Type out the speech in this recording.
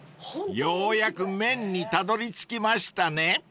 ［ようやく麺にたどりつきましたね］